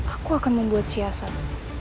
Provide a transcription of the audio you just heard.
aku akan membuat siasat